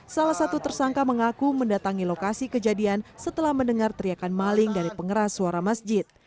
salah satu tersangka mengaku mendatangi lokasi kejadian setelah mendengar teriakan maling dari pengeras suara masjid